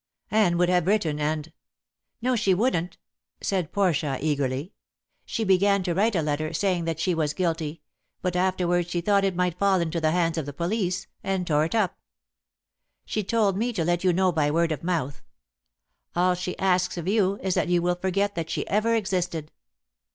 "Anne would have written, and " "No, she wouldn't," said Portia, eagerly. "She began to write a letter saying that she was guilty, but afterwards she thought it might fall into the hands of the police, and tore it up. She told me to let you know by word of mouth. All she asks of you is that you will forget that she ever existed."